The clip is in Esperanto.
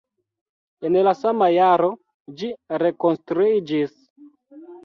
En la sama jaro ĝi rekonstruiĝis.